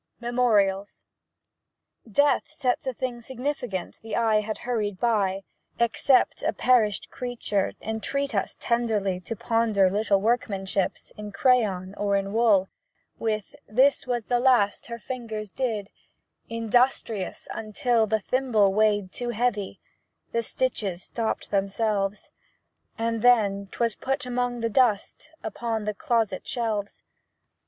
• L 1 1 1 JU'EATH sets a thing significant The eye had hurried by, Except a perished creature Entreat us tenderly To ponder little workmanships In crayon or in wool, With "This was last her fingers did," Industrious until The thimble weighed too heavy, The stitches stopped themselves, And then 'twas put among the dust Upon the closet shelves.